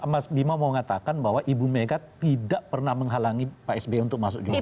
mas bima mau mengatakan bahwa ibu mega tidak pernah menghalangi pak sby untuk masuk juga